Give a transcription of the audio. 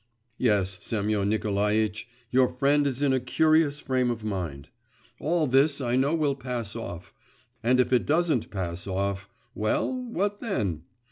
Yes, Semyon Nikolaitch, your friend is in a curious frame of mind. All this I know will pass off … and if it doesn't pass off, well, what then?